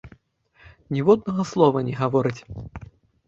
Ніводнага слова не гаворыць.